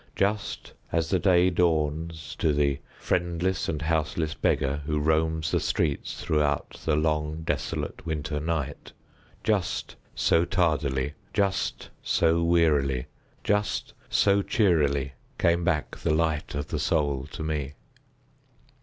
Just as the day dawns to the friendless and houseless beggar who roams the streets throughout the long desolate winter night—just so tardily—just so wearily—just so cheerily came back the light of the Soul to me.